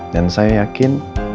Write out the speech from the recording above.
dan saya yakin